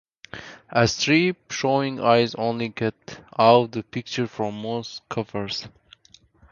A strip showing eyes only was cut of this picture for most covers.